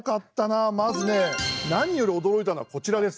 まずね何より驚いたのはこちらです。